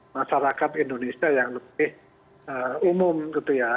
masyarakat indonesia yang lebih umum gitu ya